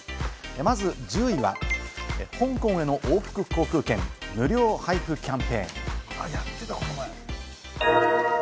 まず１０位は、香港への往復航空券、無料配布キャンペーン。